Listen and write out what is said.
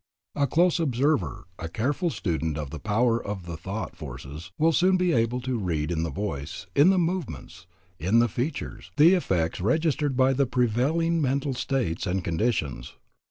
A close observer, a careful student of the power of the thought forces, will soon be able to read in the voice, in the movements, in the features, the effects registered by the prevailing mental states and conditions.